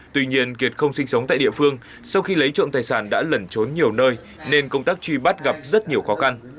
tuy nhiên kiệt không sinh sống tại địa phương sau khi lấy trộm tài sản đã lẩn trốn nhiều nơi nên công tác truy bắt gặp rất nhiều khó khăn